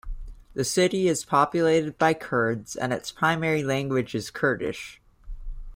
The city is populated by Kurds and its primary language is Kurdish.